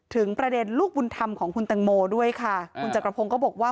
ถึงประเด็นลูกบุญธรรมของคุณตังโมด้วยค่ะคุณจักรพงศ์ก็บอกว่า